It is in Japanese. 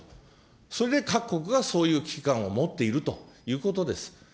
それで各国がそういう危機感を持っているということです。